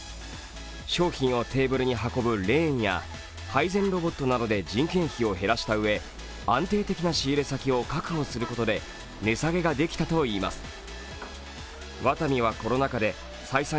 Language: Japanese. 商品をテーブルに運ぶレーンや配膳ロボットなどで人件費を減らしたうえで安定的な仕入れ先を確保することで値下げができたといいます。